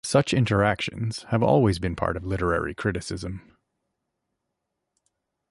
Such interactions have always been part of literary criticism.